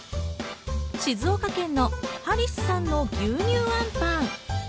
静岡県のハリスさんの牛乳あんパン。